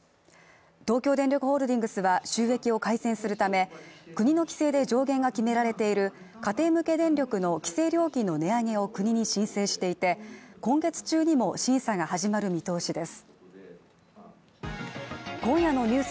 東京電力ホールディングスは収益を改善するため、国の規制で上限が決められている家庭向け電力の規制料金の値上げを国に申請していて今月中にも審査が始まる見通しです。